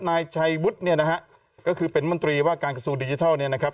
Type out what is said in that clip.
นายชัยวุฒิเนี่ยนะฮะก็คือเป็นมนตรีว่าการกระทรวงดิจิทัลเนี่ยนะครับ